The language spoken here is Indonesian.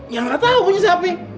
ya enggak tau punya siapa ini